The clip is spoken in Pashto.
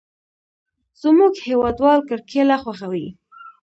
زموږ هېوادوال کرکېله خوښوي.